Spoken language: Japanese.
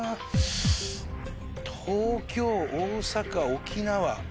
東京大阪沖縄。